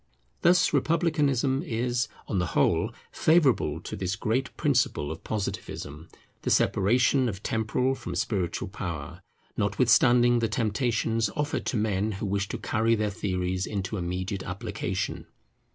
Thus Republicanism is, on the whole, favourable to this great principle of Positivism, the separation of temporal from spiritual power, notwithstanding the temptations offered to men who wish to carry their theories into immediate application.